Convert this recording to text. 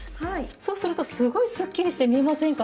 そうするとすごいスッキリして見えませんか？